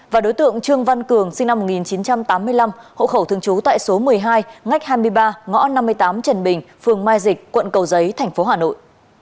và đối tượng trương văn cường sinh năm một nghìn chín trăm tám mươi năm hộ khẩu thường trú tại số một mươi hai ngách hai mươi ba ngõ năm mươi tám trần bình phường mai dịch quận cầu giấy tp hà nội